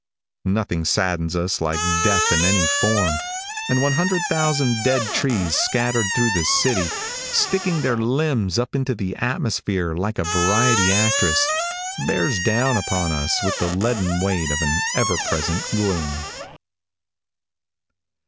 Nothing saddens us like death in any form, and 100,000 dead trees scattered through the city, sticking their limbs up into the atmosphere like a variety actress, bears down upon us with the leaden weight of an ever present gloom.